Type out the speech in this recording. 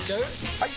・はい！